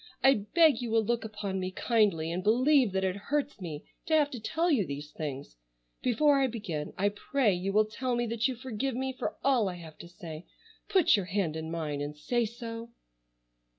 I beg you will look upon me kindly and believe that it hurts me to have to tell you these things. Before I begin I pray you will tell me that you forgive me for all I have to say. Put your hand in mine and say so."